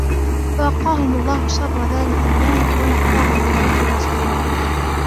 فَوَقَاهُمُ اللَّهُ شَرَّ ذَلِكَ الْيَوْمِ وَلَقَّاهُمْ نَضْرَةً وَسُرُورًا